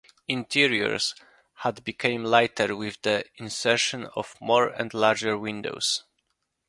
Interiors had become lighter with the insertion of more and larger windows.